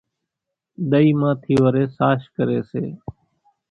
ۮئِي مان ٿِي وريَ ساش ڪريَ سي۔